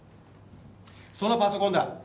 そのパソコンだ。